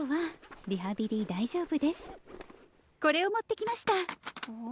これを持ってきました。